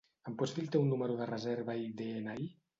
Em pots dir el teu número de reserva i de-ena-i?